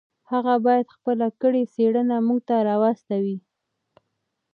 هغه باید خپله کړې څېړنه موږ ته راواستوي.